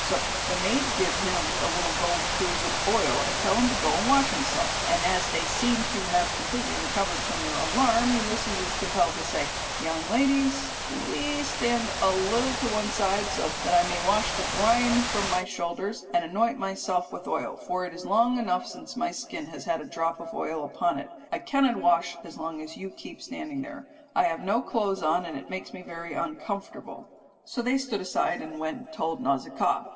So the maids give him the little gold cruse of oil and tell him to go and wash himself, and as they seem to have completely recovered from their alarm, Ulysses is compelled to say, "Young ladies, please stand a little on one side, that I may wash the brine from off my shoulders and anoint myself with oil; for it is long enough since my skin has had a drop of oil upon it. I cannot wash as long as you keep standing there. I have no clothes on, and it makes me very uncomfortable." So they stood aside and went and told Nausicaa.